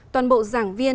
tôan bộ giảng viên